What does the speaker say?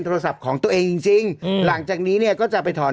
โทรศัพท์ของตัวเองจริงจริงอืมหลังจากนี้เนี่ยก็จะไปถอน